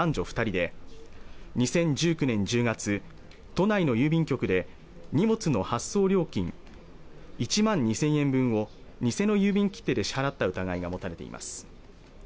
二人で２０１９年１０月都内の郵便局で荷物の発送料金１万２０００円分を偽の郵便切手で支払った疑いが持たれています